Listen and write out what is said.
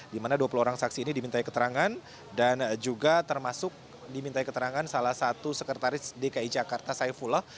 dimana dua puluh orang saksi ini dimintai keterangan dan juga termasuk dimintai keterangan salah satu sekretaris dki jakarta saifulah